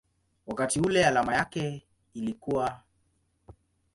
wakati ule alama yake ilikuwa µµ.